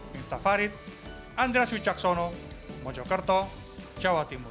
miftah farid andres wicaksono mojokerto jawa timur